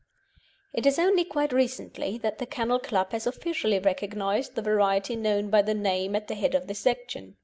It is only quite recently that the Kennel Club has officially recognised the variety known by the name at the head of this section.